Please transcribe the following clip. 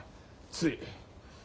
つい。